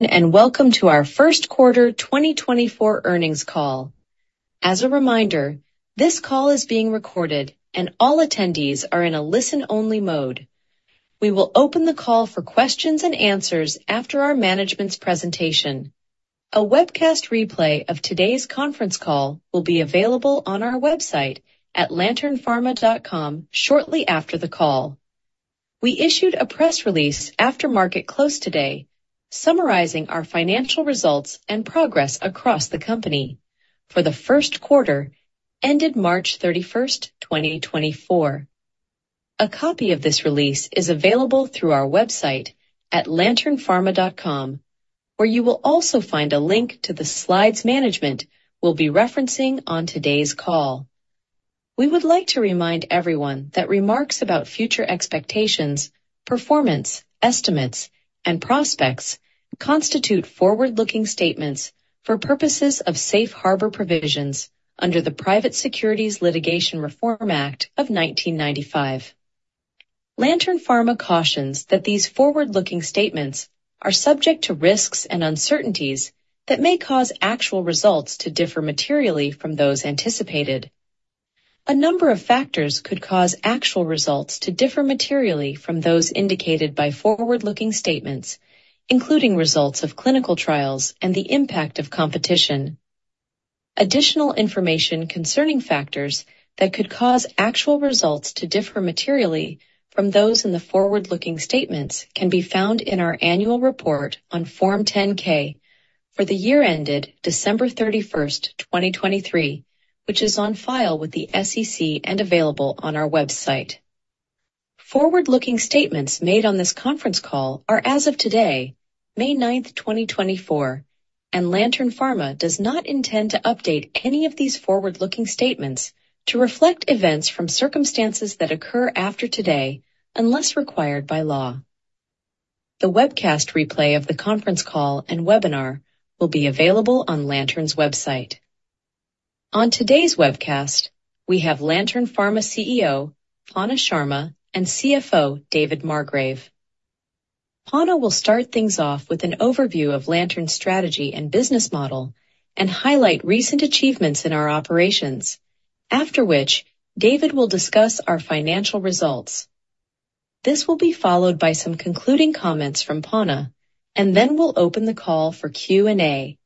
Welcome to our first quarter 2024 earnings call. As a reminder, this call is being recorded, and all attendees are in a listen-only mode. We will open the call for questions and answers after our management's presentation. A webcast replay of today's conference call will be available on our website at LanternPharma.com shortly after the call. We issued a press release after market close today, summarizing our financial results and progress across the company for the first quarter, ended March 31st, 2024. A copy of this release is available through our website at LanternPharma.com, where you will also find a link to the slides management will be referencing on today's call. We would like to remind everyone that remarks about future expectations, performance, estimates, and prospects constitute forward-looking statements for purposes of safe harbor provisions under the Private Securities Litigation Reform Act of 1995. Lantern Pharma cautions that these forward-looking statements are subject to risks and uncertainties that may cause actual results to differ materially from those anticipated. A number of factors could cause actual results to differ materially from those indicated by forward-looking statements, including results of clinical trials and the impact of competition. Additional information concerning factors that could cause actual results to differ materially from those in the forward-looking statements can be found in our annual report on Form 10-K for the year ended December 31st, 2023, which is on file with the SEC and available on our website. Forward-looking statements made on this conference call are as of today, May 9th, 2024, and Lantern Pharma does not intend to update any of these forward-looking statements to reflect events from circumstances that occur after today, unless required by law. The webcast replay of the conference call and webinar will be available on Lantern's website. On today's webcast, we have Lantern Pharma CEO, Panna Sharma and CFO, David Margrave. Panna will start things off with an overview of Lantern's strategy and business model and highlight recent achievements in our operations, after which David will discuss our financial results. This will be followed by some concluding comments from Panna, and then we'll open the call for Q&A.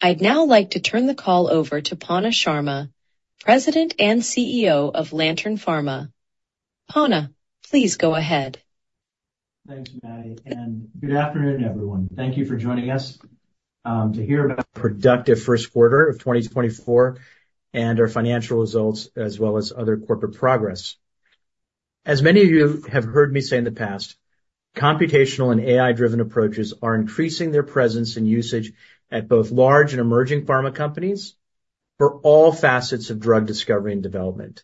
I'd now like to turn the call over to Panna Sharma, President and CEO of Lantern Pharma. Panna, please go ahead. Thanks, Maddie, and good afternoon, everyone. Thank you for joining us to hear about our productive first quarter of 2024 and our financial results, as well as other corporate progress. As many of you have heard me say in the past, computational and AI-driven approaches are increasing their presence and usage at both large and emerging pharma companies for all facets of drug discovery and development.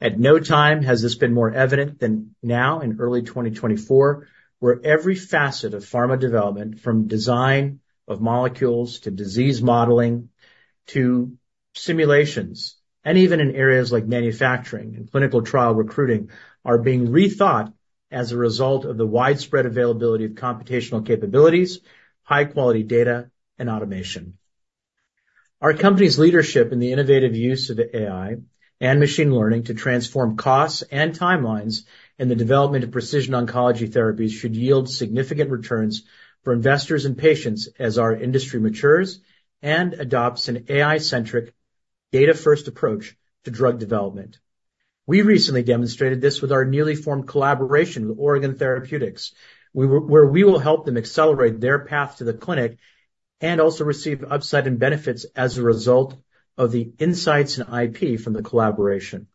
At no time has this been more evident than now in early 2024, where every facet of pharma development, from design of molecules, to disease modeling, to simulations, and even in areas like manufacturing and clinical trial recruiting, are being rethought as a result of the widespread availability of computational capabilities, high quality data, and automation. Our company's leadership in the innovative use of AI and machine learning to transform costs and timelines in the development of precision oncology therapies should yield significant returns for investors and patients as our industry matures and adopts an AI-centric, data-first approach to drug development. We recently demonstrated this with our newly formed collaboration with Oregon Therapeutics, where we will help them accelerate their path to the clinic and also receive upside and benefits as a result of the insights and IP from the collaboration.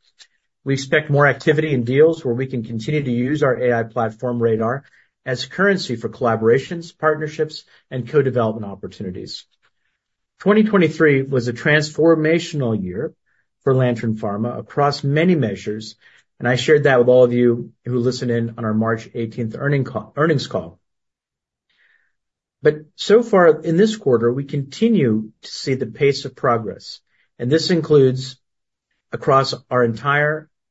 We expect more activity in deals where we can continue to use our AI platform, RADR, as currency for collaborations, partnerships, and co-development opportunities. 2023 was a transformational year for Lantern Pharma across many measures, and I shared that with all of you who listened in on our March 18 earnings call. So far in this quarter, we continue to see the pace of progress, and this includes across our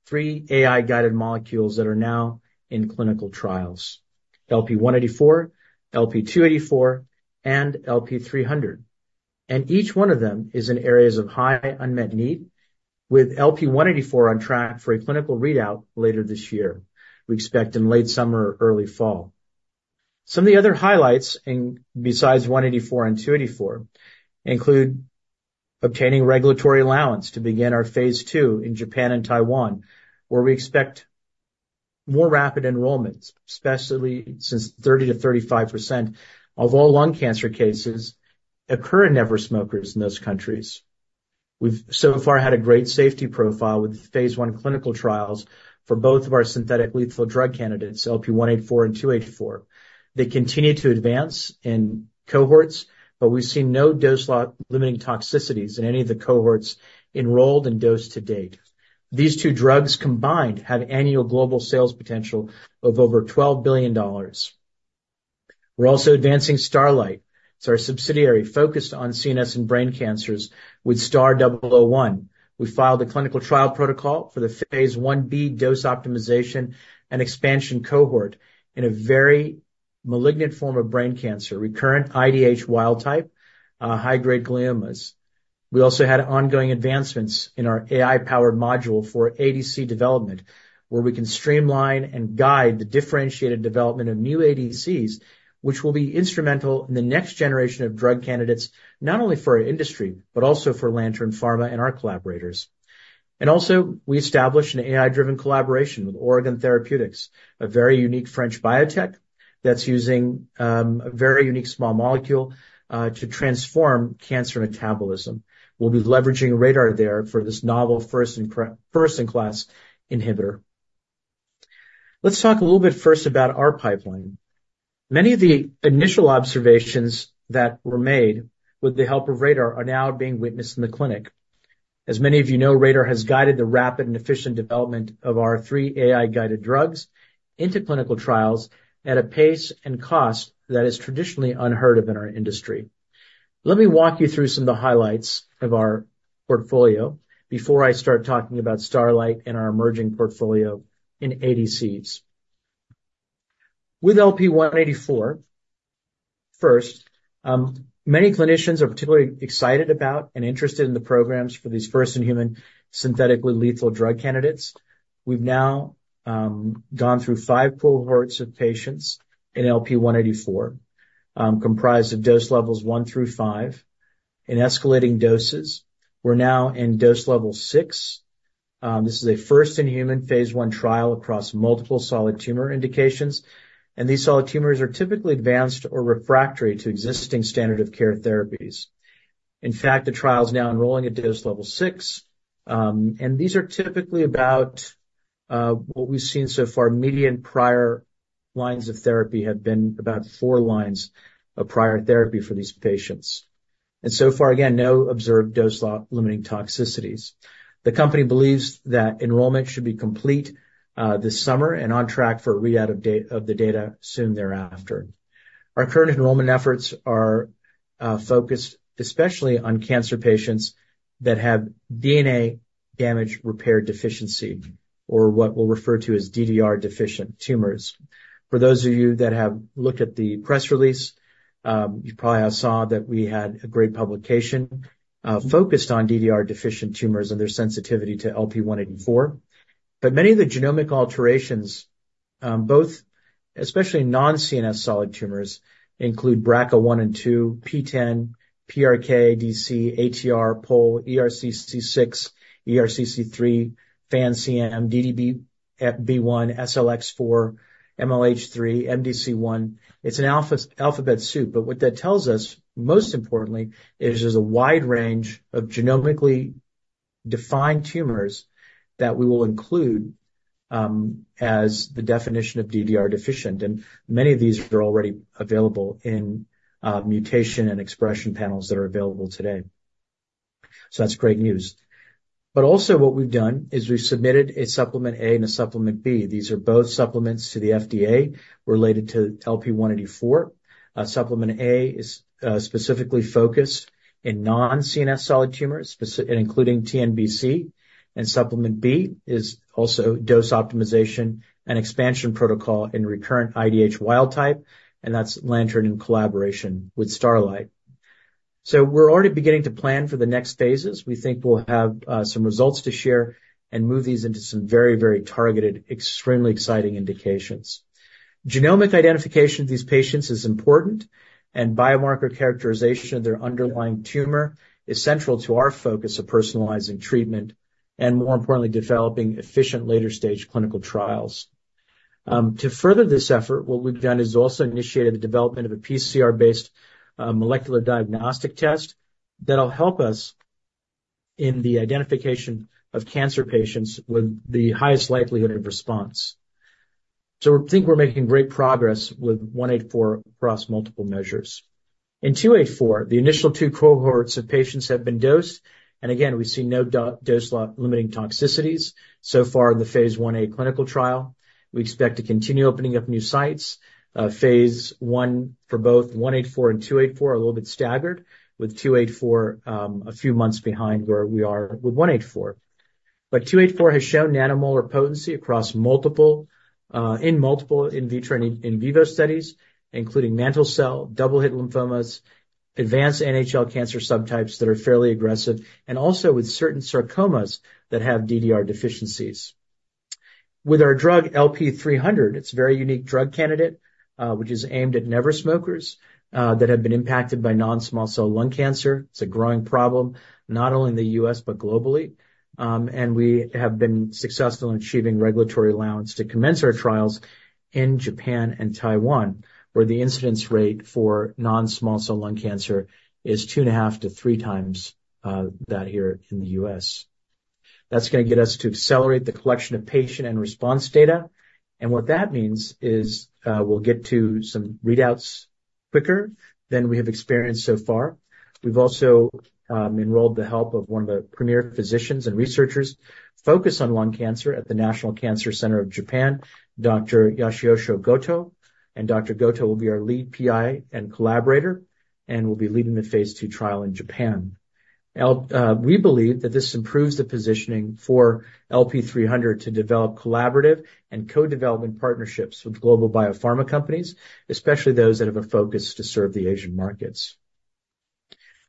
entire three AI-guided molecules that are now in clinical trials: LP-184, LP-284, and LP-300. Each one of them is in areas of high unmet need, with LP-184 on track for a clinical readout later this year. We expect in late summer or early fall. Some of the other highlights in, besides 184 and 284, include obtaining regulatory allowance to begin our phase 2 in Japan and Taiwan, where we expect more rapid enrollments, especially since 30%-35% of all lung cancer cases occur in never smokers in those countries. We've so far had a great safety profile with Phase 1 clinical trials for both of our synthetic lethal drug candidates, LP-184 and 284. They continue to advance in cohorts, but we've seen no dose-limiting toxicities in any of the cohorts enrolled to date. These two drugs combined have annual global sales potential of over $12 billion. We're also advancing Starlight. It's our subsidiary focused on CNS and brain cancers with STAR-001. We filed a clinical trial protocol for the Phase 1b dose optimization and expansion cohort in a very malignant form of brain cancer, recurrent IDH wild-type high-grade gliomas. We also had ongoing advancements in our AI-powered module for ADC development, where we can streamline and guide the differentiated development of new ADCs, which will be instrumental in the next generation of drug candidates, not only for our industry, but also for Lantern Pharma and our collaborators. And also, we established an AI-driven collaboration with Oregon Therapeutics, a very unique French biotech that's using a very unique small molecule to transform cancer metabolism. We'll be leveraging RADR there for this novel first-in-class inhibitor. Let's talk a little bit first about our pipeline. Many of the initial observations that were made with the help of RADR are now being witnessed in the clinic. As many of you know, RADR has guided the rapid and efficient development of our three AI-guided drugs into clinical trials at a pace and cost that is traditionally unheard of in our industry. Let me walk you through some of the highlights of our portfolio before I start talking about Starlight and our emerging portfolio in ADCs. With LP-184, first, many clinicians are particularly excited about and interested in the programs for these first-in-human, synthetically lethal drug candidates. We've now gone through five cohorts of patients in LP-184, comprised of dose levels one through five in escalating doses. We're now in dose level 6. This is a first-in-human phase I trial across multiple solid tumor indications, and these solid tumors are typically advanced or refractory to existing standard of care therapies. In fact, the trial is now enrolling at dose level 6, and these are typically about what we've seen so far, median prior lines of therapy have been about four lines of prior therapy for these patients. And so far, again, no observed dose-limiting toxicities. The company believes that enrollment should be complete this summer and on track for a readout of the data soon thereafter. Our current enrollment efforts are focused, especially on cancer patients that have DNA damage repair deficiency, or what we'll refer to as DDR-deficient tumors. For those of you that have looked at the press release, you probably have saw that we had a great publication focused on DDR-deficient tumors and their sensitivity to LP-184. But many of the genomic alterations, both especially non-CNS solid tumors, include BRCA1 and 2, PTEN, PRKDC, ATR, POL, ERCC6, ERCC3, FANCM, DDB1, SLX4, MLH3, MDC1. It's an alphabet soup, but what that tells us, most importantly, is there's a wide range of genomically defined tumors that we will include as the definition of DDR deficient, and many of these are already available in mutation and expression panels that are available today. So that's great news. But also what we've done is we've submitted a Supplement A and a Supplement B. These are both supplements to the FDA related to LP-184. Supplement A is specifically focused in non-CNS solid tumors, including TNBC, and Supplement B is also dose optimization and expansion protocol in recurrent IDH wild-type, and that's Lantern in collaboration with Starlight. So we're already beginning to plan for the next phases. We think we'll have some results to share and move these into some very, very targeted, extremely exciting indications. Genomic identification of these patients is important, and biomarker characterization of their underlying tumor is central to our focus of personalizing treatment and, more importantly, developing efficient later-stage clinical trials. To further this effort, what we've done is also initiated the development of a PCR-based molecular diagnostic test that'll help us in the identification of cancer patients with the highest likelihood of response. So we think we're making great progress with 184 across multiple measures. In 284, the initial two cohorts of patients have been dosed, and again, we see no dose-limiting toxicities so far in the Phase 1a clinical trial. We expect to continue opening up new sites. Phase I for both LP-184 and LP-284 are a little bit staggered, with LP-284 a few months behind where we are with LP-184. But LP-284 has shown nanomolar potency across multiple in multiple in vitro and in vivo studies, including mantle cell, double-hit lymphomas, advanced NHL cancer subtypes that are fairly aggressive, and also with certain sarcomas that have DDR deficiencies. With our drug LP-300, it's a very unique drug candidate, which is aimed at never smokers that have been impacted by non-small cell lung cancer. It's a growing problem, not only in the U.S., but globally. And we have been successful in achieving regulatory allowance to commence our trials in Japan and Taiwan, where the incidence rate for non-small cell lung cancer is 2.5x-3x that here in the U.S. That's gonna get us to accelerate the collection of patient and response data, and what that means is we'll get to some readouts quicker than we have experienced so far. We've also enrolled the help of one of the premier physicians and researchers focused on lung cancer at the National Cancer Center of Japan, Dr. Yasushi Goto, and Dr. Goto will be our lead PI and collaborator, and will be leading the Phase 2 trial in Japan. We believe that this improves the positioning for LP-300 to develop collaborative and co-development partnerships with global biopharma companies, especially those that have a focus to serve the Asian markets.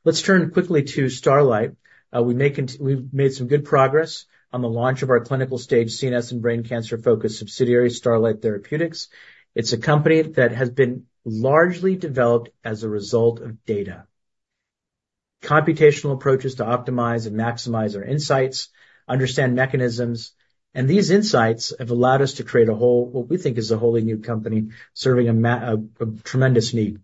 Let's turn quickly to Starlight. We've made some good progress on the launch of our clinical stage CNS and brain cancer-focused subsidiary, Starlight Therapeutics. It's a company that has been largely developed as a result of data computational approaches to optimize and maximize our insights, understand mechanisms, and these insights have allowed us to create a whole, what we think is a wholly new company, serving a tremendous need.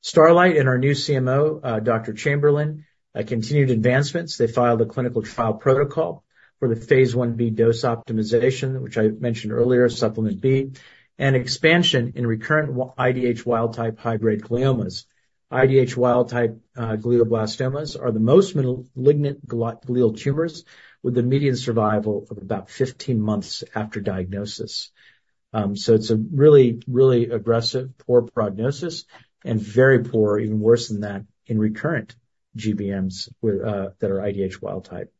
Starlight and our new CMO, Dr. Chamberlain, continued advancements. They filed a clinical trial protocol for the Phase 1b dose optimization, which I mentioned earlier, Supplement B, and expansion in recurrent IDH wild-type high-grade gliomas. IDH wild-type glioblastomas are the most malignant glial tumors, with a median survival of about 15 months after diagnosis. It's a really, really aggressive, poor prognosis, and very poor, even worse than that, in recurrent GBMs with that are IDH wild type.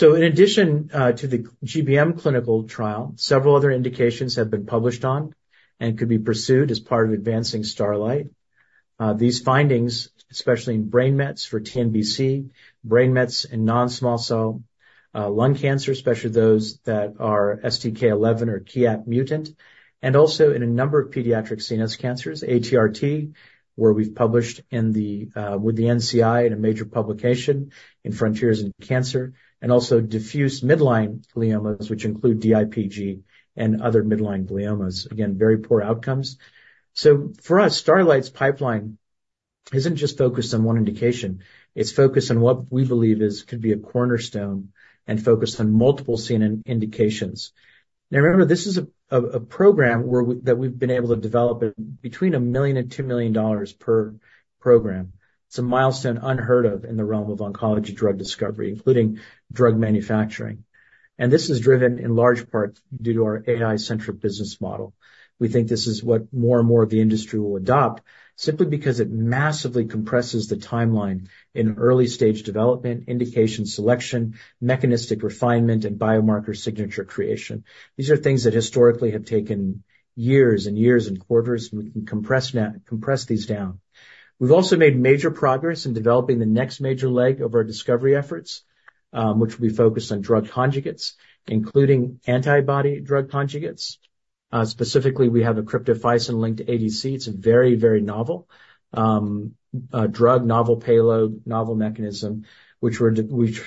In addition to the GBM clinical trial, several other indications have been published on and could be pursued as part of advancing Starlight. These findings, especially in brain mets for TNBC, brain mets in non-small cell lung cancer, especially those that are STK11 or KEAP1 mutant, and also in a number of pediatric CNS cancers, ATRT, where we've published with the NCI in a major publication in Frontiers in Cancer, and also diffuse midline gliomas, which include DIPG and other midline gliomas. Again, very poor outcomes. So for us, Starlight's pipeline isn't just focused on one indication, it's focused on what we believe could be a cornerstone and focused on multiple CNS indications. Now, remember, this is a program that we've been able to develop between $1 million and $2 million per program. It's a milestone unheard of in the realm of oncology drug discovery, including drug manufacturing, and this is driven in large part due to our AI-centric business model. We think this is what more and more of the industry will adopt, simply because it massively compresses the timeline in early-stage development, indication selection, mechanistic refinement, and biomarker signature creation. These are things that historically have taken years and years and quarters, and we can compress now, compress these down. We've also made major progress in developing the next major leg of our discovery efforts, which will be focused on drug conjugates, including antibody drug conjugates. Specifically, we have a cryptophycin linked to ADC. It's a very, very novel drug, novel payload, novel mechanism, which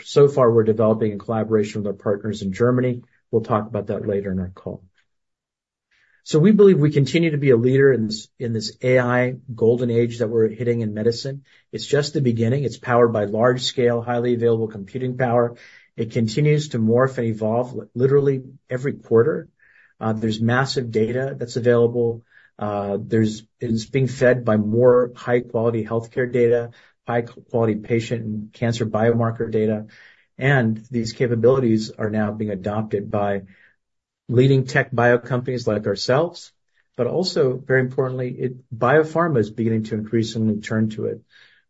so far we're developing in collaboration with our partners in Germany. We'll talk about that later in our call. So we believe we continue to be a leader in this, in this AI golden age that we're hitting in medicine. It's just the beginning. It's powered by large-scale, highly available computing power. It continues to morph and evolve literally every quarter. There's massive data that's available. It's being fed by more high-quality healthcare data, high-quality patient and cancer biomarker data, and these capabilities are now being adopted by leading tech bio companies like ourselves, but also, very importantly, biopharma is beginning to increasingly turn to it.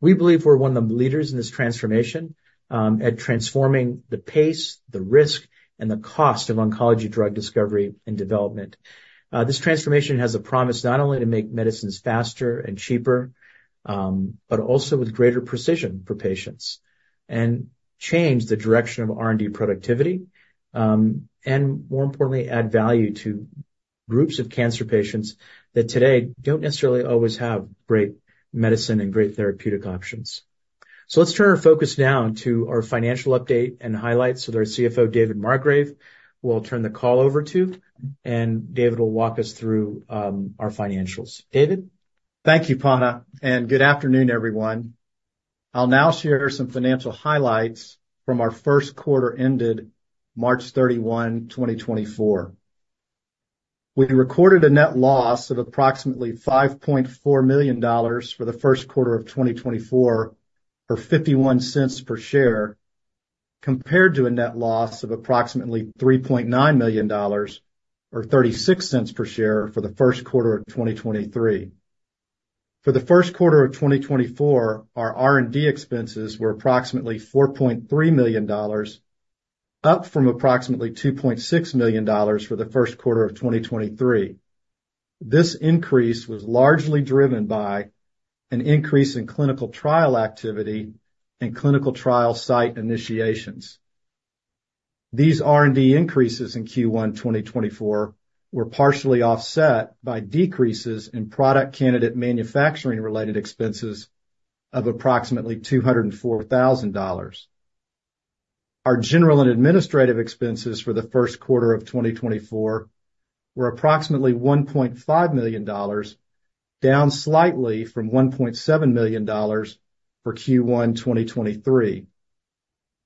We believe we're one of the leaders in this transformation, at transforming the pace, the risk, and the cost of oncology drug discovery and development. This transformation has a promise not only to make medicines faster and cheaper, but also with greater precision for patients, and change the direction of R&D productivity, and more importantly, add value to groups of cancer patients that today don't necessarily always have great medicine and great therapeutic options. Let's turn our focus now to our financial update and highlights with our CFO, David Margrave, who I'll turn the call over to, and David will walk us through our financials. David? Thank you, Panna, and good afternoon, everyone. I'll now share some financial highlights from our first quarter ended March 31, 2024. We recorded a net loss of approximately $5.4 million for the first quarter of 2024, or $0.51 per share, compared to a net loss of approximately $3.9 million, or $0.36 per share, for the first quarter of 2023. For the first quarter of 2024, our R&D expenses were approximately $4.3 million, up from approximately $2.6 million for the first quarter of 2023. This increase was largely driven by an increase in clinical trial activity and clinical trial site initiations. These R&D increases in Q1 2024 were partially offset by decreases in product candidate manufacturing-related expenses of approximately $204,000. Our general and administrative expenses for the first quarter of 2024 were approximately $1.5 million, down slightly from $1.7 million for Q1 2023.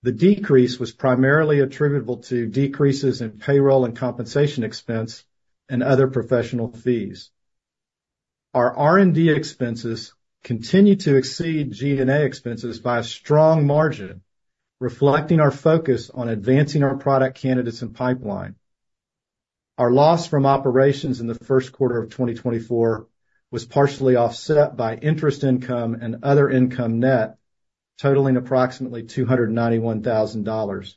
The decrease was primarily attributable to decreases in payroll and compensation expense and other professional fees. Our R&D expenses continue to exceed G&A expenses by a strong margin, reflecting our focus on advancing our product candidates and pipeline. Our loss from operations in the first quarter of 2024 was partially offset by interest income and other income net, totaling approximately $291,000....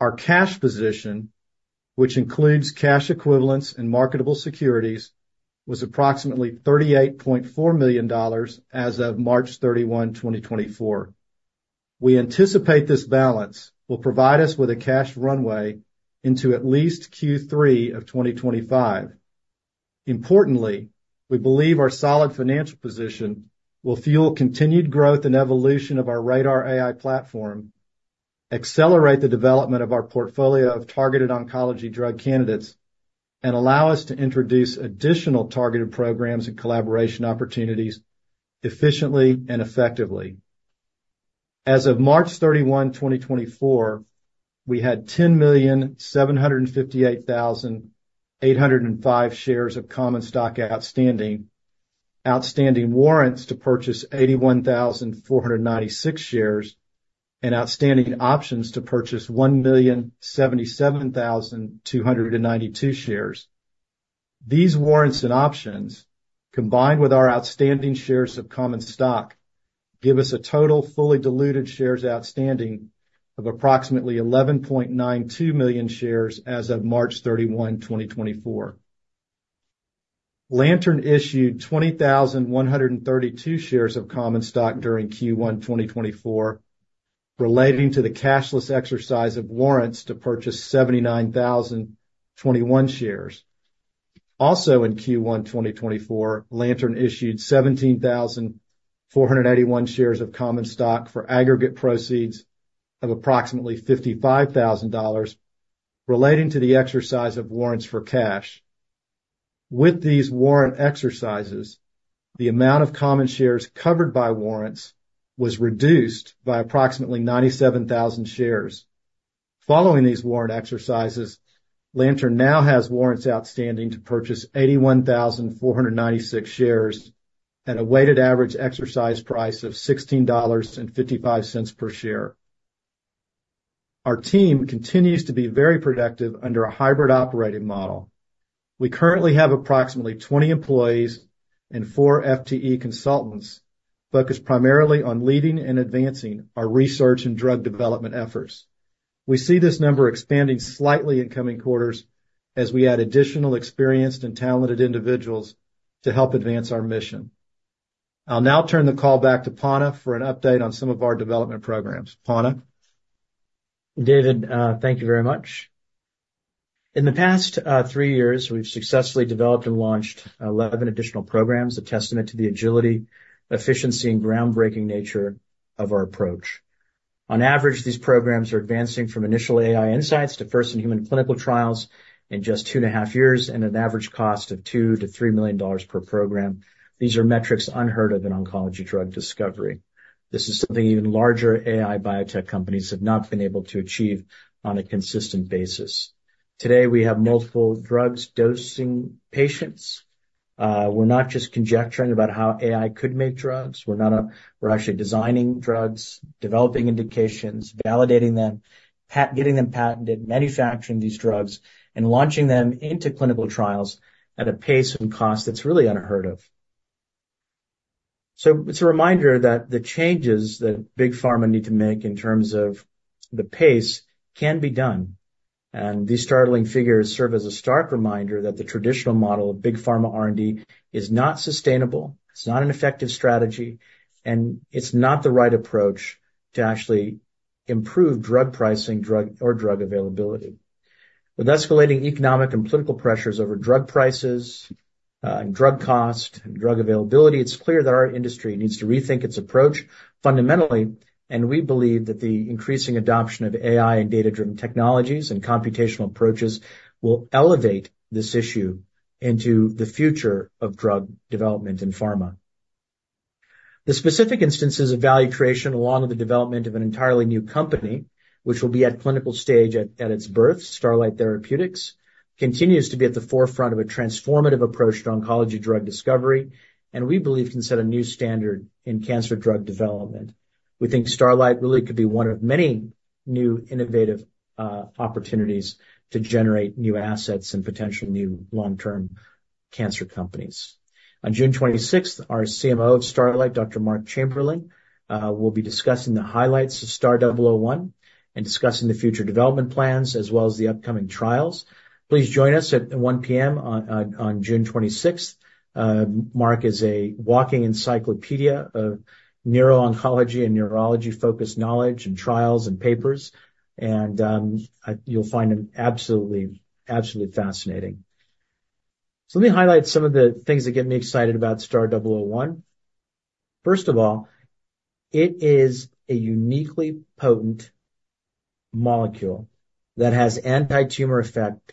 Our cash position, which includes cash equivalents and marketable securities, was approximately $38.4 million as of March 31, 2024. We anticipate this balance will provide us with a cash runway into at least Q3 of 2025. Importantly, we believe our solid financial position will fuel continued growth and evolution of our RADR AI platform, accelerate the development of our portfolio of targeted oncology drug candidates, and allow us to introduce additional targeted programs and collaboration opportunities efficiently and effectively. As of March 31, 2024, we had 10,758,805 shares of common stock outstanding, outstanding warrants to purchase 81,496 shares, and outstanding options to purchase 1 million 77,292 shares. These warrants and options, combined with our outstanding shares of common stock, give us a total fully diluted shares outstanding of approximately 11.92 million shares as of March 31, 2024. Lantern issued 20,132 shares of common stock during Q1 2024, relating to the cashless exercise of warrants to purchase 79,021 shares. Also in Q1 2024, Lantern issued 17,481 shares of common stock for aggregate proceeds of approximately $55,000 relating to the exercise of warrants for cash. With these warrant exercises, the amount of common shares covered by warrants was reduced by approximately 97,000 shares. Following these warrant exercises, Lantern now has warrants outstanding to purchase 81,496 shares at a weighted average exercise price of $16.55 per share. Our team continues to be very productive under a hybrid operating model. We currently have approximately 20 employees and 4 FTE consultants focused primarily on leading and advancing our research and drug development efforts. We see this number expanding slightly in coming quarters as we add additional experienced and talented individuals to help advance our mission. I'll now turn the call back to Panna for an update on some of our development programs. Panna? David, thank you very much. In the past three years, we've successfully developed and launched 11 additional programs, a testament to the agility, efficiency, and groundbreaking nature of our approach. On average, these programs are advancing from initial AI insights to first-in-human clinical trials in just 2.5 years and an average cost of $2 million-$3 million per program. These are metrics unheard of in oncology drug discovery. This is something even larger AI biotech companies have not been able to achieve on a consistent basis. Today, we have multiple drugs dosing patients. We're not just conjecturing about how AI could make drugs. We're not, we're actually designing drugs, developing indications, validating them, getting them patented, manufacturing these drugs, and launching them into clinical trials at a pace and cost that's really unheard of. It's a reminder that the changes that big pharma need to make in terms of the pace can be done, and these startling figures serve as a stark reminder that the traditional model of big pharma R&D is not sustainable, it's not an effective strategy, and it's not the right approach to actually improve drug pricing, or drug availability. With escalating economic and political pressures over drug prices, and drug cost and drug availability, it's clear that our industry needs to rethink its approach fundamentally, and we believe that the increasing adoption of AI and data-driven technologies and computational approaches will elevate this issue into the future of drug development and pharma. The specific instances of value creation, along with the development of an entirely new company, which will be at clinical stage at its birth, Starlight Therapeutics, continues to be at the forefront of a transformative approach to oncology drug discovery, and we believe can set a new standard in cancer drug development. We think Starlight really could be one of many new innovative opportunities to generate new assets and potential new long-term cancer companies. On June 26th, our CMO of Starlight, Dr. Marc Chamberlain, will be discussing the highlights of STAR-001 and discussing the future development plans as well as the upcoming trials. Please join us at 1:00 P.M. on June twenty-sixth. Mark is a walking encyclopedia of neuro-oncology and neurology-focused knowledge and trials and papers, and you'll find him absolutely, absolutely fascinating. So let me highlight some of the things that get me excited about STAR-001. First of all, it is a uniquely potent molecule that has antitumor effect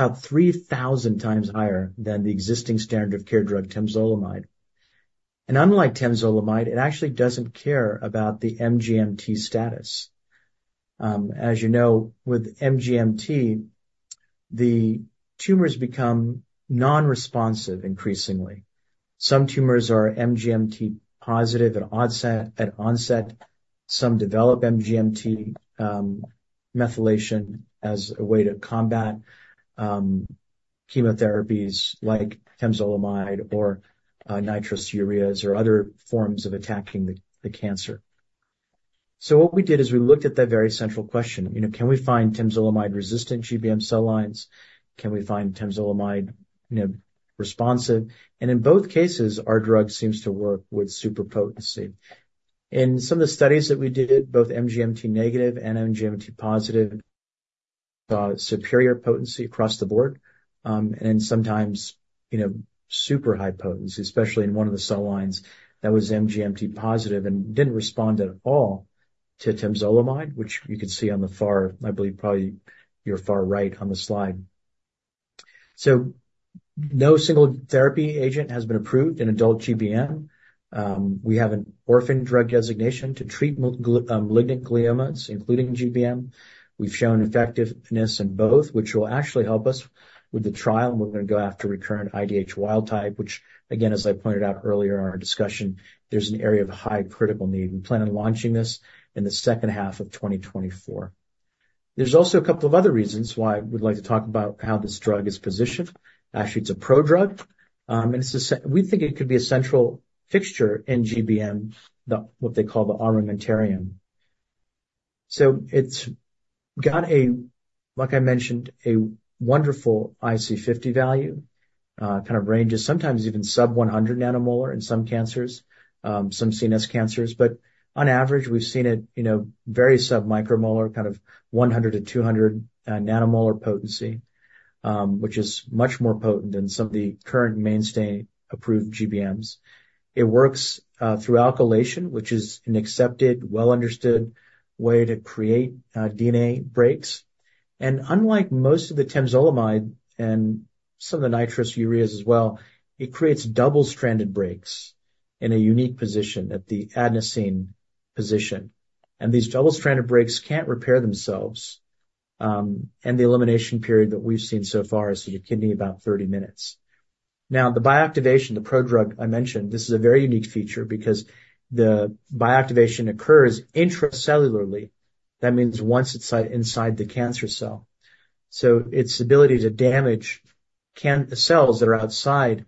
about 3,000 times higher than the existing standard of care drug temozolomide. And unlike temozolomide, it actually doesn't care about the MGMT status. As you know, with MGMT, the tumors become non-responsive increasingly. Some tumors are MGMT positive at onset. Some develop MGMT methylation as a way to combat chemotherapies like temozolomide or nitrosureas, or other forms of attacking the cancer. So what we did is we looked at that very central question, you know, can we find temozolomide-resistant GBM cell lines? Can we find temozolomide responsive? And in both cases, our drug seems to work with super potency. In some of the studies that we did, both MGMT negative and MGMT positive, superior potency across the board, and sometimes, you know, super high potency, especially in one of the cell lines that was MGMT positive and didn't respond at all to temozolomide, which you could see on the far, I believe, probably your far right on the slide. So no single therapy agent has been approved in adult GBM. We have an orphan drug designation to treat malignant gliomas, including GBM. We've shown effectiveness in both, which will actually help us with the trial, and we're gonna go after recurrent IDH wild type, which again, as I pointed out earlier in our discussion, there's an area of high critical need. We plan on launching this in the second half of 2024. There's also a couple of other reasons why we'd like to talk about how this drug is positioned. Actually, it's a prodrug, and it's we think it could be a central fixture in GBM, the, what they call the armamentarium. So it's got a, like I mentioned, a wonderful IC50 value, kind of ranges, sometimes even sub-100 nanomolar in some cancers, some CNS cancers. But on average, we've seen it, you know, very sub-micromolar, kind of 100-200 nanomolar potency, which is much more potent than some of the current mainstay approved GBMs. It works through alkylation, which is an accepted, well-understood way to create DNA breaks. Unlike most of the temozolomide and some of the nitrosoureas as well, it creates double-stranded breaks in a unique position, at the adenosine position. These double-stranded breaks can't repair themselves, and the elimination period that we've seen so far is, in the kidney, about 30 minutes. Now, the bioactivation, the prodrug I mentioned, this is a very unique feature because the bioactivation occurs intracellularly. That means once it's inside the cancer cell. So its ability to damage the cells that are outside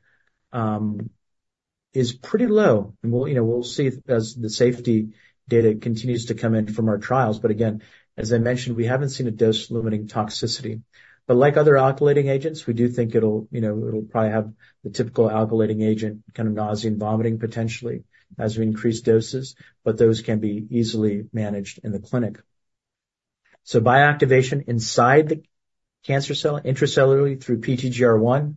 is pretty low, and we'll, you know, we'll see as the safety data continues to come in from our trials. But again, as I mentioned, we haven't seen a dose-limiting toxicity. But like other alkylating agents, we do think it'll, you know, it'll probably have the typical alkylating agent, kind of nausea and vomiting, potentially, as we increase doses, but those can be easily managed in the clinic. So bioactivation inside the cancer cell, intracellularly through PTGR1.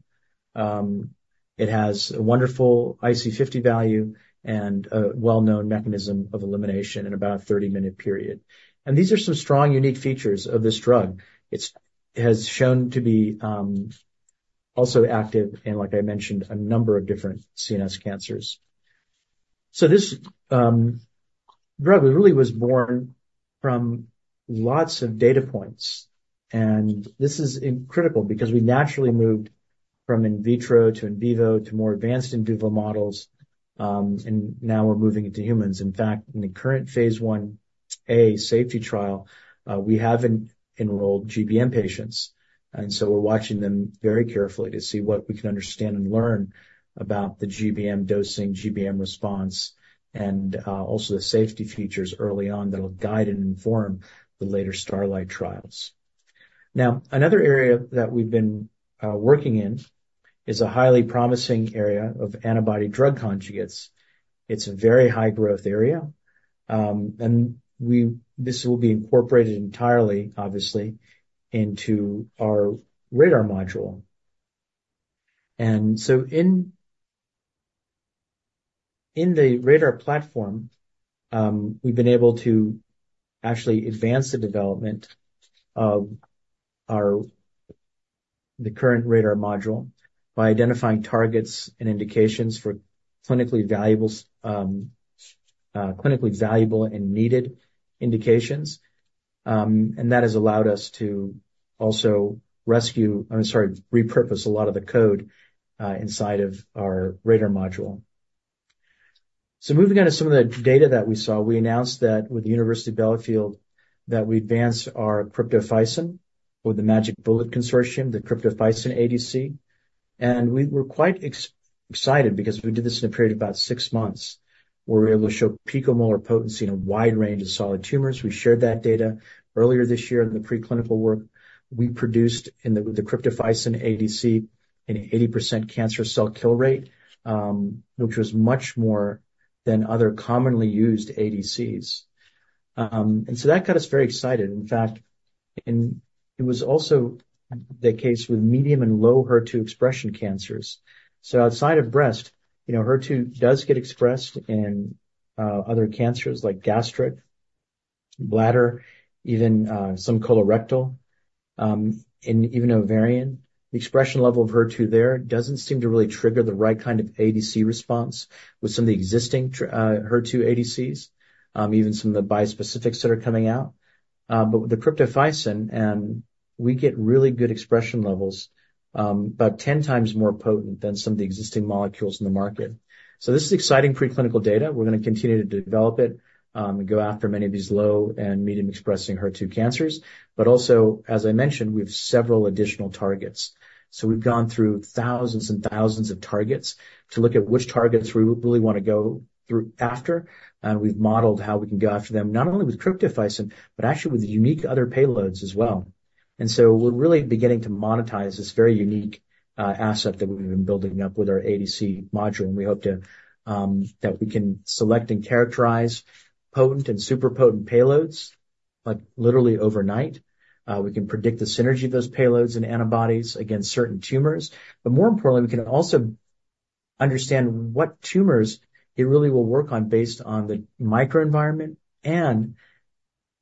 It has a wonderful IC50 value and a well-known mechanism of elimination in about a 30-minute period. And these are some strong, unique features of this drug. It's, has shown to be, also active in, like I mentioned, a number of different CNS cancers. So this, drug really was born from lots of data points, and this is, critical because we naturally moved from in vitro to in vivo, to more advanced in vivo models. And now we're moving into humans. In fact, in the current phase Ia safety trial, we haven't enrolled GBM patients, and so we're watching them very carefully to see what we can understand and learn about the GBM dosing, GBM response, and, also the safety features early on that'll guide and inform the later Starlight trials. Now, another area that we've been working in is a highly promising area of antibody drug conjugates. It's a very high-growth area, and this will be incorporated entirely, obviously, into our RADR module. And so in the RADR platform, we've been able to actually advance the development of our current RADR module by identifying targets and indications for clinically valuable and needed indications. And that has allowed us to also rescue, I'm sorry, repurpose a lot of the code inside of our RADR module. So moving on to some of the data that we saw, we announced that with the University of Bielefeld, that we advanced our cryptophycin with the Magic Bullet consortium, the cryptophycin ADC. And we were quite excited because we did this in a period of about six months. We were able to show picomolar potency in a wide range of solid tumors. We shared that data earlier this year in the preclinical work. We produced in the cryptophycin ADC an 80% cancer cell kill rate, which was much more than other commonly used ADCs. And so that got us very excited. In fact, it was also the case with medium and low HER2 expression cancers. So outside of breast, you know, HER2 does get expressed in other cancers like gastric, bladder, even some colorectal, and even ovarian. The expression level of HER2 there doesn't seem to really trigger the right kind of ADC response with some of the existing HER2 ADCs, even some of the bispecifics that are coming out. But with the cryptophycin and-... We get really good expression levels, about 10x more potent than some of the existing molecules in the market. So this is exciting preclinical data. We're gonna continue to develop it, and go after many of these low and medium expressing HER2 cancers, but also, as I mentioned, we have several additional targets. So we've gone through thousands and thousands of targets to look at which targets we really want to go after. We've modeled how we can go after them, not only with cryptophycin, but actually with unique other payloads as well. And so we're really beginning to monetize this very unique asset that we've been building up with our ADC module, and we hope to that we can select and characterize potent and super potent payloads, like, literally overnight. We can predict the synergy of those payloads and antibodies against certain tumors, but more importantly, we can also understand what tumors it really will work on based on the microenvironment and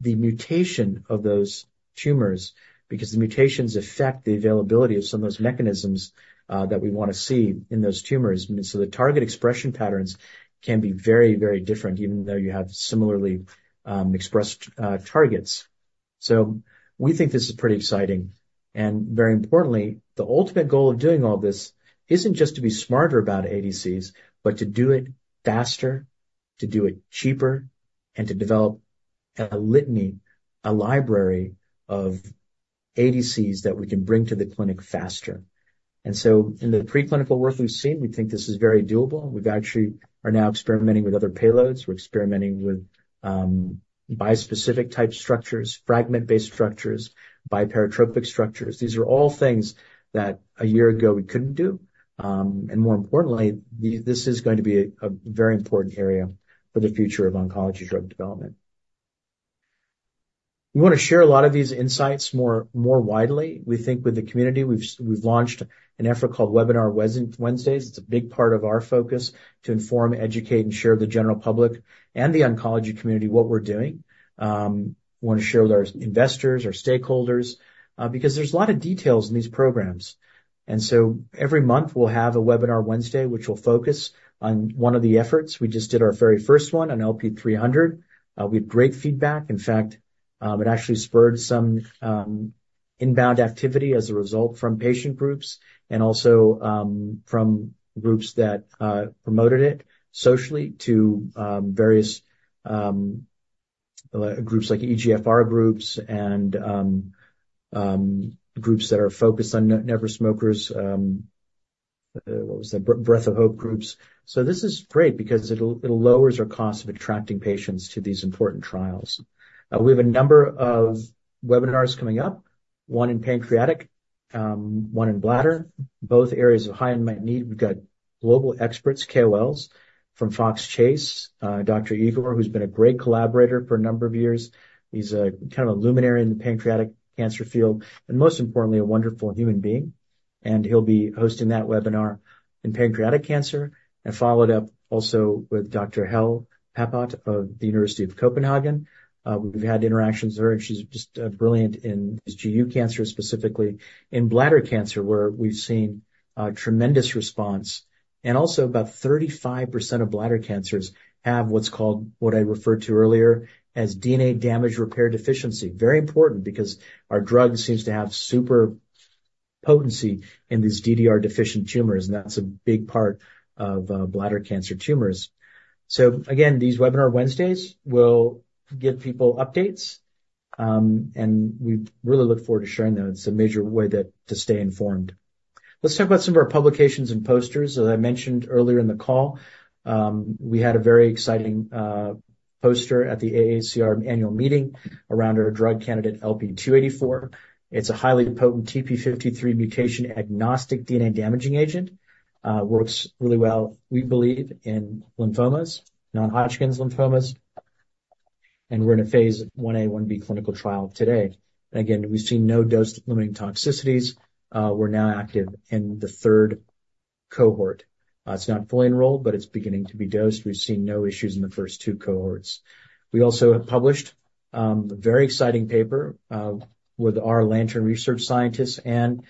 the mutation of those tumors, because the mutations affect the availability of some of those mechanisms that we wanna see in those tumors. And so the target expression patterns can be very, very different, even though you have similarly expressed targets. So we think this is pretty exciting. And very importantly, the ultimate goal of doing all this isn't just to be smarter about ADCs, but to do it faster, to do it cheaper, and to develop a litany, a library of ADCs that we can bring to the clinic faster. And so in the preclinical work we've seen, we think this is very doable. We've actually are now experimenting with other payloads. We're experimenting with bispecific type structures, fragment-based structures, biparatopic structures. These are all things that a year ago we couldn't do. And more importantly, this is going to be a very important area for the future of oncology drug development. We want to share a lot of these insights more widely. We think with the community, we've launched an effort called Webinar Wednesdays. It's a big part of our focus to inform, educate, and share with the general public and the oncology community what we're doing. We wanna share with our investors, our stakeholders, because there's a lot of details in these programs. And so every month, we'll have a Webinar Wednesday, which will focus on one of the efforts. We just did our very first one on LP-300. We had great feedback. In fact, it actually spurred some inbound activity as a result from patient groups and also from groups that promoted it socially to various groups like EGFR groups and groups that are focused on never smokers, what was the -- Breath of Hope groups. So this is great because it'll, it lowers our cost of attracting patients to these important trials. We have a number of webinars coming up, one in pancreatic, one in bladder, both areas of high unmet need. We've got global experts, KOLs, from Fox Chase, Dr. Igor, who's been a great collaborator for a number of years. He's a kind of a luminary in the pancreatic cancer field, and most importantly, a wonderful human being. And he'll be hosting that webinar in pancreatic cancer, and followed up also with Dr. Helle Pappot of the University of Copenhagen. We've had interactions with her, and she's just brilliant in GU cancer, specifically in bladder cancer, where we've seen a tremendous response. Also, about 35% of bladder cancers have what's called, what I referred to earlier, as DNA damage repair deficiency. Very important, because our drug seems to have super potency in these DDR-deficient tumors, and that's a big part of bladder cancer tumors. So again, these Webinar Wednesdays will give people updates, and we really look forward to sharing those. It's a major way to stay informed. Let's talk about some of our publications and posters. As I mentioned earlier in the call, we had a very exciting poster at the AACR annual meeting around our drug candidate, LP-284. It's a highly potent TP53 mutation-agnostic DNA damaging agent. It works really well, we believe, in lymphomas, non-Hodgkin's lymphomas, and we're in a Phase 1a, 1b clinical trial today. Again, we've seen no dose-limiting toxicities. We're now active in the third cohort. It's not fully enrolled, but it's beginning to be dosed. We've seen no issues in the first two cohorts. We also have published a very exciting paper with our Lantern research scientists and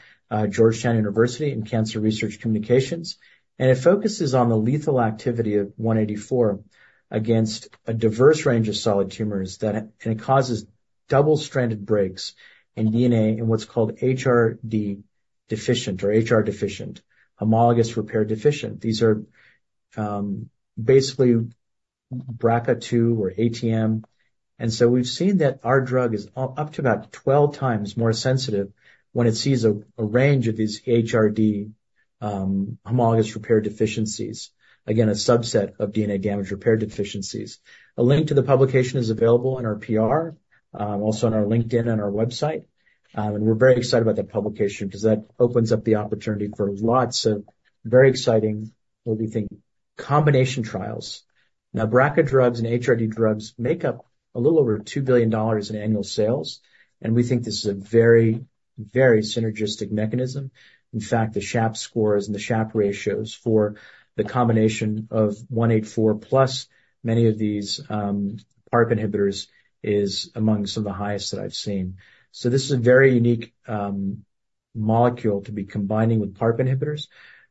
Georgetown University in Cancer Research Communications, and it focuses on the lethal activity of LP-184 against a diverse range of solid tumors that. And it causes double-stranded breaks in DNA in what's called HRD-deficient or HR-deficient, homologous recombination-deficient. These are basically BRCA2 or ATM. And so we've seen that our drug is up to about 12x more sensitive when it sees a range of these HRD, homologous recombination deficiencies. Again, a subset of DNA damage repair deficiencies. A link to the publication is available in our PR, also on our LinkedIn and our website. And we're very excited about that publication because that opens up the opportunity for lots of very exciting, what we think, combination trials. Now, BRCA drugs and HRD drugs make up a little over $2 billion in annual sales, and we think this is a very, very synergistic mechanism. In fact, the SHAP scores and the SHAP ratios for the combination of 184+ many of these PARP inhibitors is among some of the highest that I've seen. So this is a very unique. molecule to be combining with PARP inhibitors,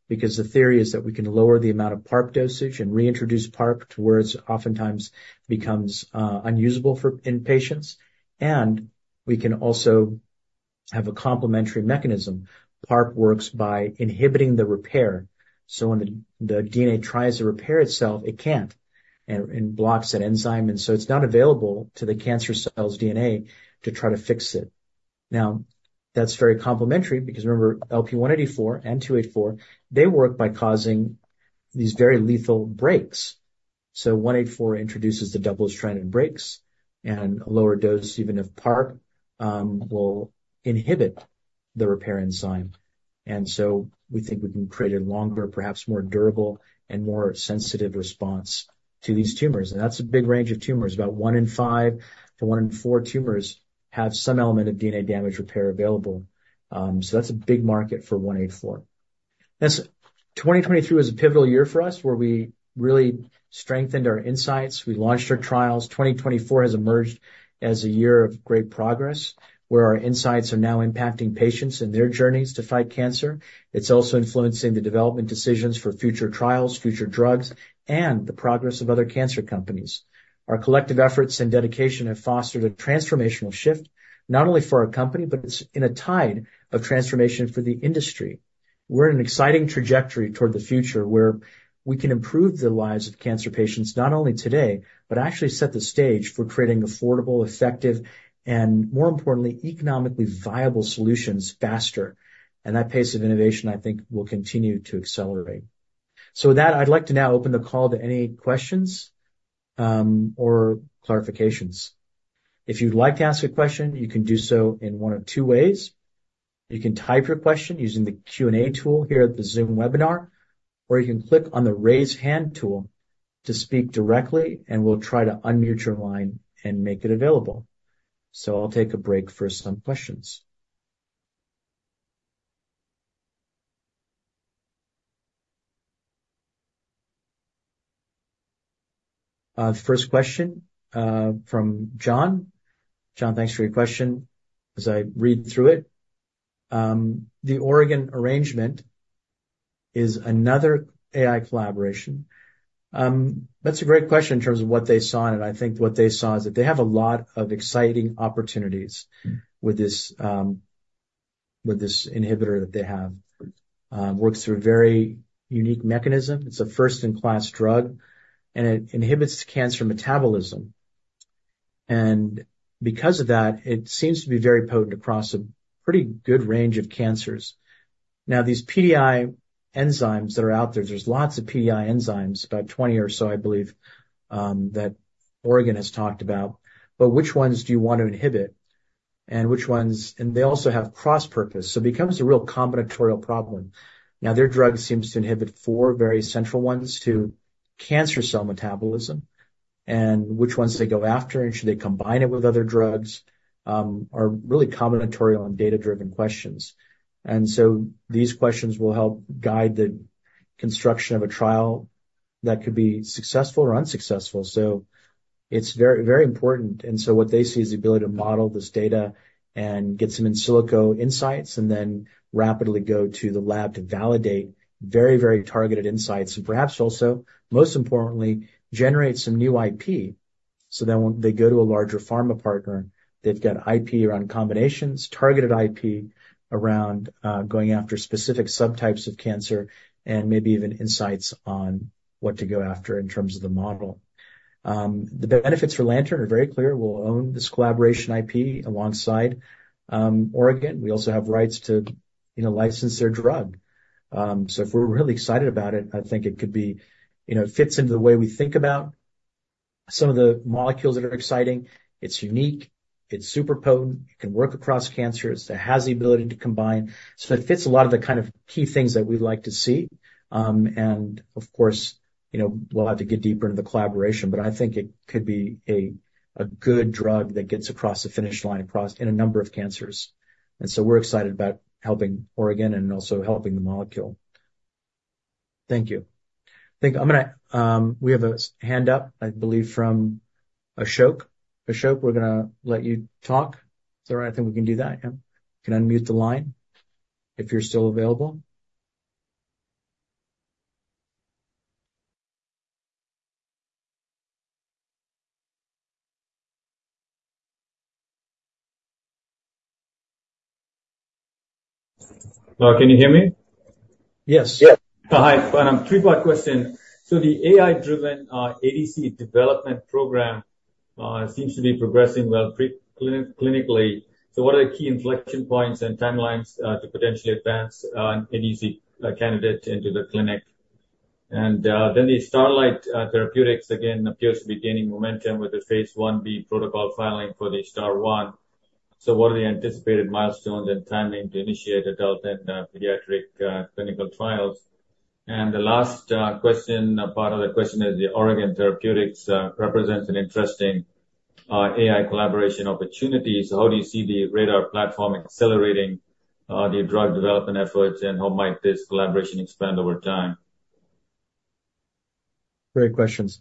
because the theory is that we can lower the amount of PARP dosage and reintroduce PARP to where it oftentimes becomes unusable in patients, and we can also have a complementary mechanism. PARP works by inhibiting the repair, so when the DNA tries to repair itself, it can't, and blocks that enzyme, and so it's not available to the cancer cell's DNA to try to fix it. Now, that's very complementary because remember, LP-184 and LP-284, they work by causing these very lethal breaks. So LP-184 introduces the double-stranded breaks and a lower dose, even if PARP will inhibit the repair enzyme. And so we think we can create a longer, perhaps more durable and more sensitive response to these tumors. And that's a big range of tumors. About one in five to one in four tumors have some element of DNA damage repair available, so that's a big market for 184. Yes, 2023 was a pivotal year for us, where we really strengthened our insights, we launched our trials. 2024 has emerged as a year of great progress, where our insights are now impacting patients and their journeys to fight cancer. It's also influencing the development decisions for future trials, future drugs, and the progress of other cancer companies. Our collective efforts and dedication have fostered a transformational shift, not only for our company, but it's in a tide of transformation for the industry. We're in an exciting trajectory toward the future, where we can improve the lives of cancer patients, not only today, but actually set the stage for creating affordable, effective, and more importantly, economically viable solutions faster. That pace of innovation, I think, will continue to accelerate. With that, I'd like to now open the call to any questions, or clarifications. If you'd like to ask a question, you can do so in one of two ways. You can type your question using the Q&A tool here at the Zoom webinar, or you can click on the Raise Hand tool to speak directly, and we'll try to unmute your line and make it available. I'll take a break for some questions. The first question from John. John, thanks for your question. As I read through it, the Oregon arrangement is another AI collaboration. That's a great question in terms of what they saw in it. I think what they saw is that they have a lot of exciting opportunities with this, with this inhibitor that they have. Works through a very unique mechanism. It's a first-in-class drug, and it inhibits cancer metabolism. And because of that, it seems to be very potent across a pretty good range of cancers. Now, these PDI enzymes that are out there, there's lots of PDI enzymes, about 20 or so, I believe, that Oregon has talked about. But which ones do you want to inhibit? And which ones, and they also have cross purpose, so it becomes a real combinatorial problem. Now, their drug seems to inhibit four very central ones to cancer cell metabolism, and which ones they go after, and should they combine it with other drugs, are really combinatorial and data-driven questions. And so these questions will help guide the construction of a trial that could be successful or unsuccessful. So it's very, very important. And so what they see is the ability to model this data and get some in silico insights, and then rapidly go to the lab to validate very, very targeted insights, and perhaps also, most importantly, generate some new IP. So then when they go to a larger pharma partner, they've got IP around combinations, targeted IP around going after specific subtypes of cancer, and maybe even insights on what to go after in terms of the model. The benefits for Lantern are very clear. We'll own this collaboration IP alongside Oregon. We also have rights to, you know, license their drug. So if we're really excited about it, I think it could be, you know, fits into the way we think about some of the molecules that are exciting. It's unique, it's super potent, it can work across cancers, it has the ability to combine. So it fits a lot of the kind of key things that we'd like to see. And of course, you know, we'll have to get deeper into the collaboration, but I think it could be a good drug that gets across the finish line across in a number of cancers. And so we're excited about helping Oregon and also helping the molecule. Thank you. I think I'm gonna we have a hand up, I believe, from Ashok. Ashok, we're gonna let you talk. Is there anything we can do that? Yeah. You can unmute the line if you're still available. Hello, can you hear me? Yes. Yes. Hi. Three-part question. So the AI-driven ADC development program seems to be progressing well pre-clinically. So what are the key inflection points and timelines to potentially advance an ADC candidate into the clinic? And then the Starlight Therapeutics again appears to be gaining momentum with the Phase 1b protocol filing for the STAR-001. So what are the anticipated milestones and timing to initiate adult and pediatric clinical trials? And the last question part of the question is, the Oregon Therapeutics represents an interesting AI collaboration opportunity. So how do you see the RADR platform accelerating the drug development efforts, and how might this collaboration expand over time?... Great questions.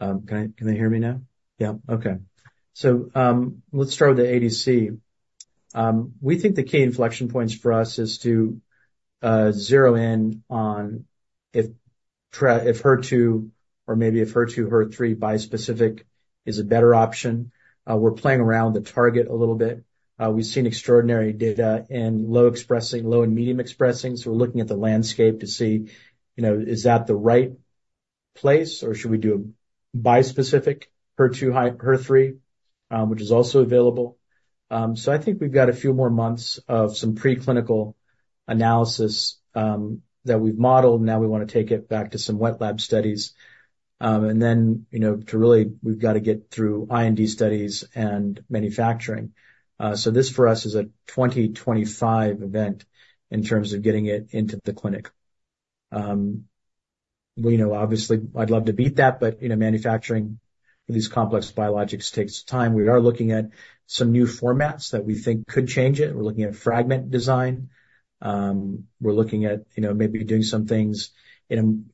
Can they hear me now? Yeah, okay. So, let's start with the ADC. We think the key inflection points for us is to zero in on if HER2, or maybe if HER2, HER3 bispecific is a better option. We're playing around the target a little bit. We've seen extraordinary data in low expressing, low and medium expressing, so we're looking at the landscape to see, you know, is that the right place, or should we do a bispecific HER2 high, HER3, which is also available. So I think we've got a few more months of some preclinical analysis that we've modeled, now we wanna take it back to some wet lab studies. And then, you know, to really, we've got to get through IND studies and manufacturing. So this, for us, is a 2025 event in terms of getting it into the clinic. We know, obviously, I'd love to beat that, but, you know, manufacturing these complex biologics takes time. We are looking at some new formats that we think could change it. We're looking at fragment design. We're looking at, you know, maybe doing some things in,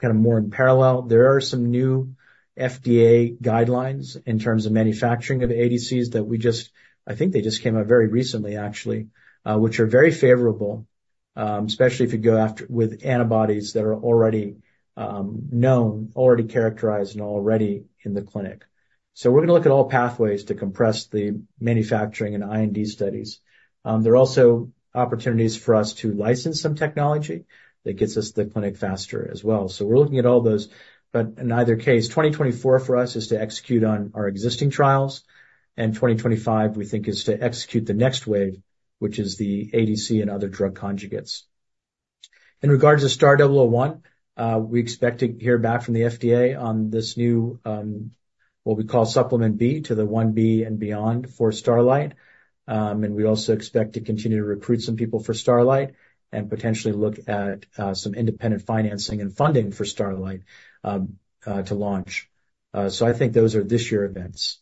kind of more in parallel. There are some new FDA guidelines in terms of manufacturing of ADCs that we just- I think they just came out very recently, actually, which are very favorable, especially if you go after- with antibodies that are already, known, already characterized, and already in the clinic. So we're gonna look at all pathways to compress the manufacturing and IND studies. There are also opportunities for us to license some technology that gets us to the clinic faster as well. So we're looking at all those, but in either case, 2024 for us is to execute on our existing trials, and 2025, we think, is to execute the next wave, which is the ADC and other drug conjugates. In regards to STAR-001, we expect to hear back from the FDA on this new, what we call Supplement B to the IND and beyond for Starlight. And we also expect to continue to recruit some people for Starlight and potentially look at, some independent financing and funding for Starlight, to launch. So I think those are this year events.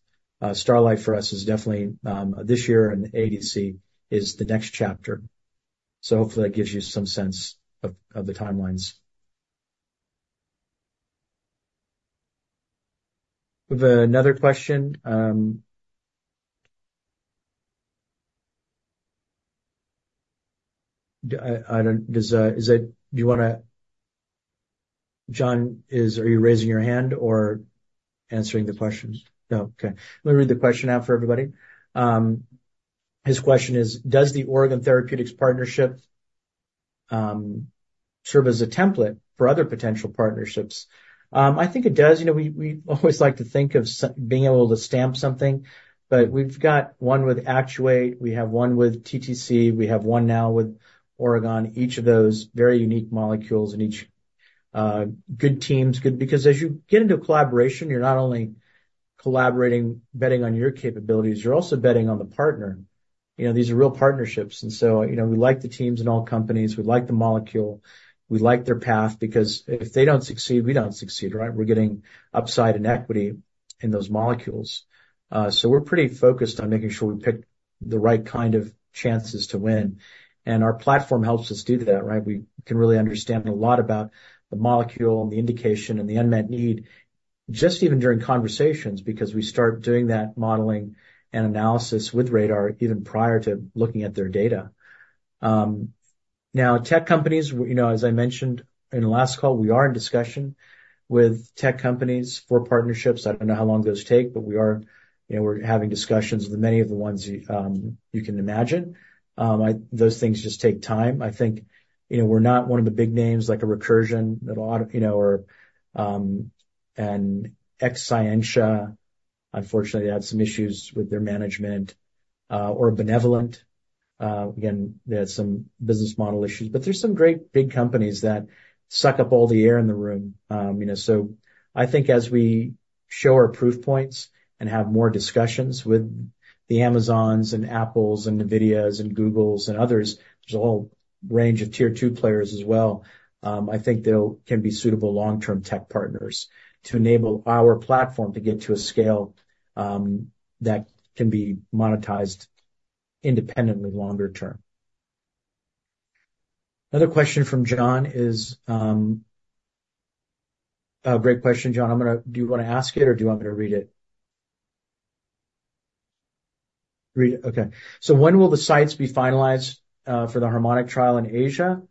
Starlight for us is definitely, this year, and the ADC is the next chapter. So hopefully, that gives you some sense of the timelines. We have another question. Do you want to—John, are you raising your hand or answering the questions? No. Okay. Let me read the question out for everybody. His question is: Does the Oregon Therapeutics partnership serve as a template for other potential partnerships? I think it does. You know, we always like to think of being able to stamp something, but we've got one with Actuate, we have one with TTC, we have one now with Oregon. Each of those very unique molecules and each good teams. Because as you get into a collaboration, you're not only collaborating, betting on your capabilities, you're also betting on the partner. You know, these are real partnerships, and so, you know, we like the teams in all companies, we like the molecule, we like their path, because if they don't succeed, we don't succeed, right? We're getting upside in equity in those molecules. So we're pretty focused on making sure we pick the right kind of chances to win, and our platform helps us do that, right? We can really understand a lot about the molecule and the indication and the unmet need, just even during conversations, because we start doing that modeling and analysis with RADR even prior to looking at their data. Now, tech companies, you know, as I mentioned in the last call, we are in discussion with tech companies for partnerships. I don't know how long those take, but we are, you know, we're having discussions with many of the ones you can imagine. Those things just take time. I think, you know, we're not one of the big names like a Recursion, that a lot, you know, or Exscientia. Unfortunately, Exscientia had some issues with their management, or Benevolent. Again, there are some business model issues, but there's some great big companies that suck up all the air in the room. You know, so I think as we show our proof points and have more discussions with the Amazons and Apples and NVIDIAs and Googles and others, there's a whole range of tier two players as well. I think they can be suitable long-term tech partners to enable our platform to get to a scale that can be monetized independently longer term. Another question from John is... Oh, great question, John. Do you wanna ask it, or do you want me to read it? Read it. Okay. So when will the sites be finalized for the HARMONIC trial in Asia,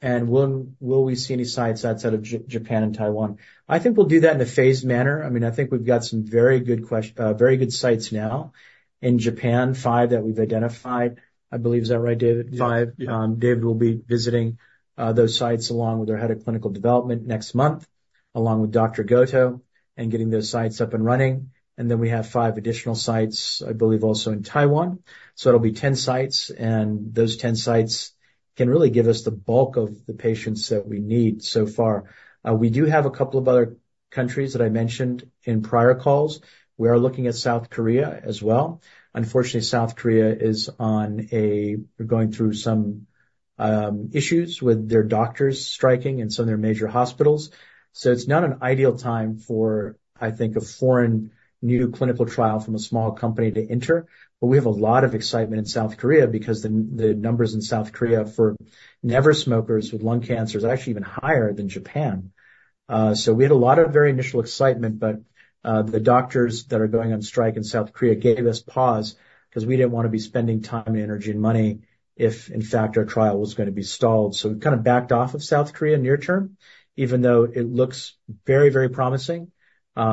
and when will we see any sites outside of Japan and Taiwan? I think we'll do that in a phased manner. I mean, I think we've got some very good sites now. In Japan, five that we've identified, I believe. Is that right, David? Five. David will be visiting those sites along with our head of clinical development next month, along with Dr. Goto, and getting those sites up and running. Then we have five additional sites, I believe, also in Taiwan. So it'll be 10 sites, and those 10 sites can really give us the bulk of the patients that we need so far. We do have a couple of other countries that I mentioned in prior calls. We are looking at South Korea as well. Unfortunately, South Korea... they're going through some issues with their doctors striking in some of their major hospitals. So it's not an ideal time for, I think, a foreign, new clinical trial from a small company to enter. But we have a lot of excitement in South Korea, because the numbers in South Korea for never smokers with lung cancer is actually even higher than Japan. So we had a lot of very initial excitement, but the doctors that are going on strike in South Korea gave us pause, 'cause we didn't wanna be spending time, energy, and money if, in fact, our trial was gonna be stalled. So we kind of backed off of South Korea near term, even though it looks very, very promising,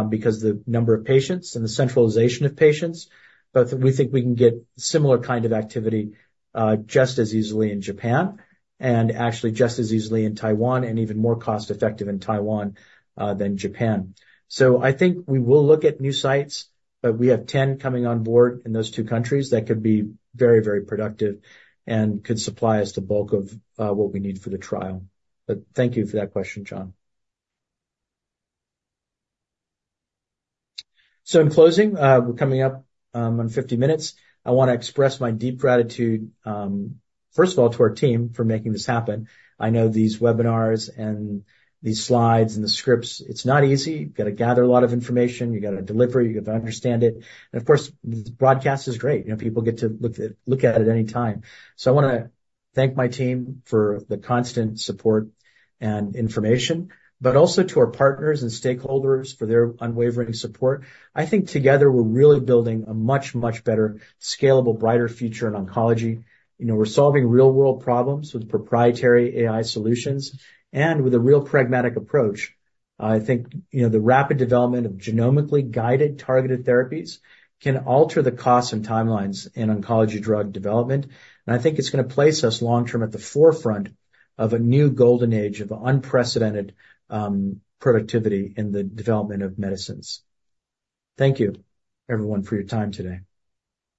because the number of patients and the centralization of patients, but we think we can get similar kind of activity just as easily in Japan, and actually just as easily in Taiwan, and even more cost effective in Taiwan than Japan. So I think we will look at new sites, but we have 10 coming on board in those two countries that could be very, very productive and could supply us the bulk of what we need for the trial. But thank you for that question, John. So in closing, we're coming up on 50 minutes. I wanna express my deep gratitude, first of all, to our team for making this happen. I know these webinars and these slides and the scripts. It's not easy. You've gotta gather a lot of information, you gotta deliver it, you have to understand it. And of course, the broadcast is great, you know, people get to look at, look at it any time. So I wanna thank my team for the constant support and information, but also to our partners and stakeholders for their unwavering support. I think together, we're really building a much, much better scalable, brighter future in oncology. You know, we're solving real world problems with proprietary AI solutions and with a real pragmatic approach. I think, you know, the rapid development of genomically-guided, targeted therapies can alter the costs and timelines in oncology drug development, and I think it's gonna place us long-term at the forefront of a new golden age of unprecedented, productivity in the development of medicines. Thank you, everyone, for your time today.